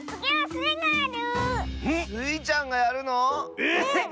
スイちゃんがやるの⁉えっ⁉うん！